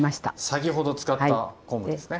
先ほど使った昆布ですね。